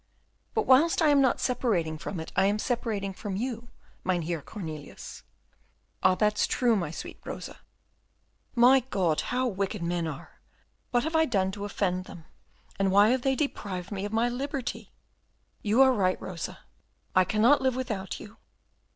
"But whilst I am not separating from it, I am separating from you, Mynheer Cornelius." "Ah! that's true, my sweet Rosa. Oh, my God! how wicked men are! What have I done to offend them, and why have they deprived me of my liberty? You are right, Rosa, I cannot live without you.